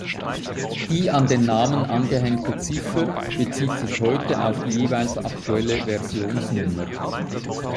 Die an den Namen angehängte Ziffer bezieht sich heute auf die jeweils aktuelle Versionsnummer.